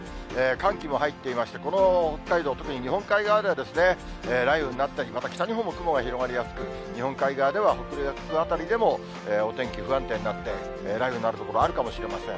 寒気も入っていまして、この北海道、特に日本海側では、雷雨になったり、また北日本も雲が広がりやすく、日本海側では北陸辺りでもお天気不安定になって、雷雨になる所があるかもしれません。